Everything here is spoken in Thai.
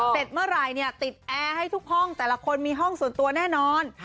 เสร็จเมื่อไหร่เนี่ยติดแอร์ให้ทุกห้องแต่ละคนมีห้องส่วนตัวแน่นอน